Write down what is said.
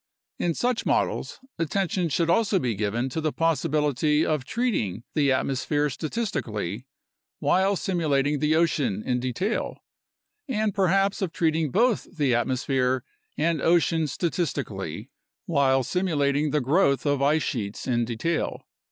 In such models, attention should also be given to the possibility of treating the at mosphere statistically while simulating the ocean in detail and perhaps of treating both the atmosphere and ocean statistically while simulating A NATIONAL CLIMATIC RESEARCH PROGRAM 87 the growth of ice sheets in detail.